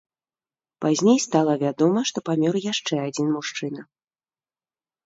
Пазней стала вядома, што памёр яшчэ адзін мужчына.